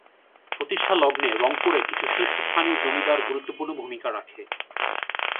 প্রতিষ্ঠা লগ্নে রংপুরের কিছু শীর্ষস্থানীয় জমিদার গুরুত্বপূর্ণ ভূমিকা রাখে।